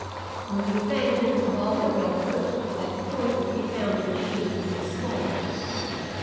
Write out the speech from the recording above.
On the embankment above the railroad, at the point where we found the machine, is a small house.